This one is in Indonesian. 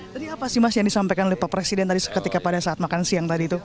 tadi apa sih mas yang disampaikan oleh pak presiden tadi ketika pada saat makan siang tadi itu